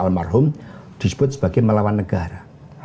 almarhum disebut sebagai melawan negara